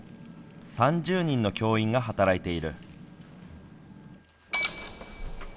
３０人の教員が働いている。